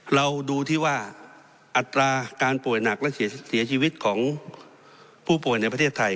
เราดูที่ว่าอัตราการป่วยหนักและเสียชีวิตของผู้ป่วยในประเทศไทย